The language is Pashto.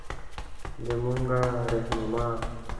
زمونره رهنما